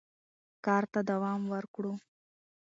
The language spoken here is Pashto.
کار ته دوام ورکړو.